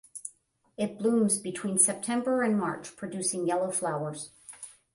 It blooms between September and March producing yellow flowers.